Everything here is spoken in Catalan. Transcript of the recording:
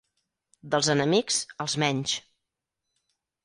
Dels enemics, els menys.